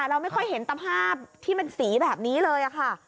เราไม่ค่อยเห็นตภาพที่มันสีแบบนี้เลยค่ะ